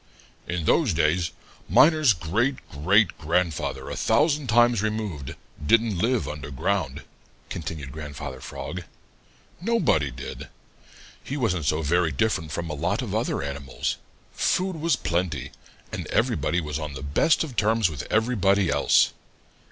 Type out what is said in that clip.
"In those days Miner's great great grandfather a thousand times removed didn't live under ground," continued Grandfather Frog. "Nobody did. He wasn't so very different from a lot of other animals. Food was plenty, and everybody was on the best of terms with everybody else.